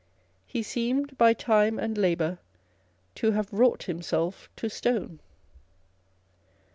He seemed, by time and labour, to " have wrought himself to stone."